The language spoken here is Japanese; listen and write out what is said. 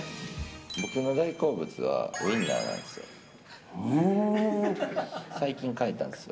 僕の大好物は、ウインナーなんですよ。